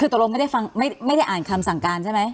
คือตรงไม่ได้ฟังไม่ได้อ่านคำสั่งการใช่ไหม